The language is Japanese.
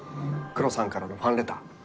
クロさんからのファンレター。